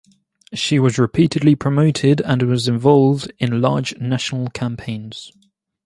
She was repeatedly promoted and was involved in large national campaigns.